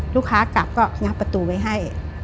ลูกค้ากลับก็งับประตูไว้ให้